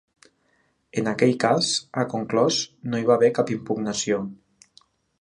En aquell cas, ha conclòs, no hi va haver cap impugnació.